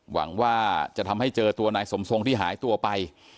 หวังว่าจะทำให้เจอตัวนายสมทรงที่หายตัวไป